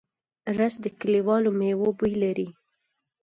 رس د کلیوالو مېوو بوی لري